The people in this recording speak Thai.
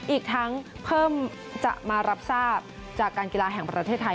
อีกทั้งเพิ่มจะมารับทราบจากการกีฬาแห่งประเทศไทย